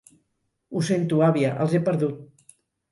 Ho sento, àvia, els he perdut.